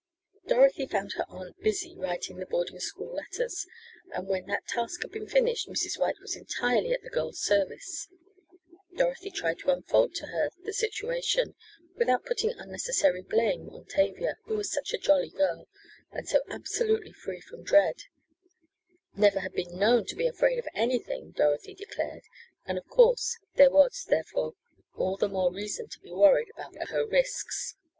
Dorothy found her aunt busy writing the boarding school letters, and when that task had been finished Mrs. White was entirely at the girl's service. Dorothy tried to unfold to her the situation, without putting unnecessary blame on Tavia, who was such a jolly girl and so absolutely free from dread never had been known to be afraid of anything, Dorothy declared, and of course there was therefore, all the more reason to be worried about her risks.